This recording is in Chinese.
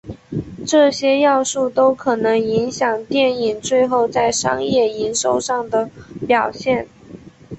这些要素都可能影响电影最后在商业营收上的表现。